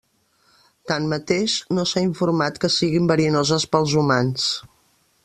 Tanmateix no s'ha informat que siguin verinoses pels humans.